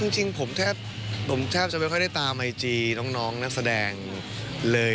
จริงผมแทบผมแทบจะไม่ค่อยได้ตามไอจีน้องนักแสดงเลย